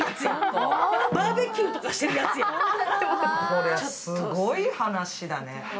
これすごい話だね。